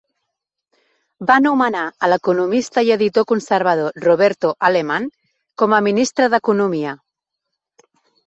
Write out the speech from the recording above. Va nomenar a l'economista i editor conservador Roberto Alemann com a Ministre d'Economia.